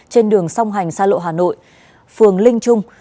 trên đường song hành xa lộ hà nội phường linh trung